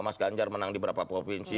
mas ganjar menang di beberapa provinsi